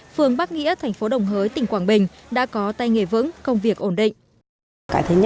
phường bắc nghĩa thành phố đồng hới tỉnh quảng bình đã có tay nghề vững công việc ổn định